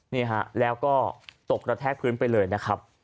นี่ฮะแล้วก็ตกกระแทกพื้นไปเลยนะครับ